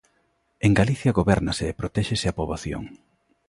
En Galicia gobérnase e protéxese a poboación.